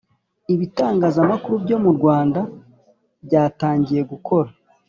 Ibitangaza amakuru byo murwanda byatangiye gukora